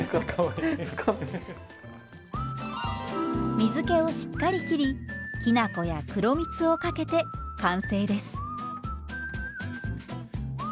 水けをしっかりきりきな粉や黒みつをかけて完成です。